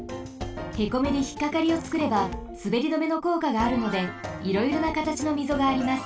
へこみでひっかかりをつくればすべり止めのこうかがあるのでいろいろなかたちのみぞがあります。